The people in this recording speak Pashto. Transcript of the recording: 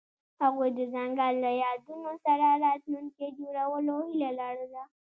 هغوی د ځنګل له یادونو سره راتلونکی جوړولو هیله لرله.